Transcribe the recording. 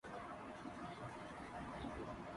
شعور و ہوش و خرد کا معاملہ ہے عجیب